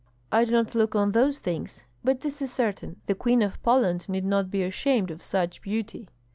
"I do not look on those things; but this is certain, the Queen of Poland need not be ashamed of such beauty."